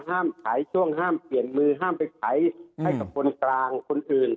ขายช่วงห้ามเปลี่ยนมือห้ามไปขายให้กับคนกลางคนอื่น